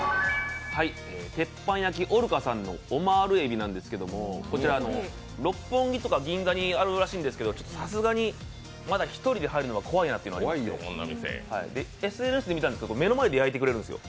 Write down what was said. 鉄板焼ＯＲＣＡさんのオマール海老なんですけど六本木とか銀座にあるらしいんですけどさすがに、まだ１人で入るのは怖いなというのがありまして、ＳＮＳで見たんですけど、目の前で焼いてくれたんですよ。